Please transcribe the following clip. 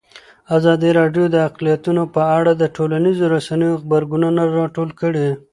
ازادي راډیو د اقلیتونه په اړه د ټولنیزو رسنیو غبرګونونه راټول کړي.